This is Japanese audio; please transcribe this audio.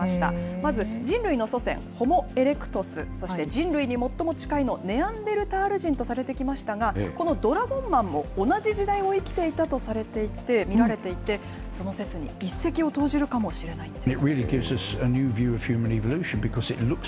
まず人類の祖先、ホモ・エレクトス、そして人類に最も近いネアンデルタール人とされてきましたが、このドラゴンマンも同じ時代を生きていたと見られていて、その説に一石を投じるかもしれないんです。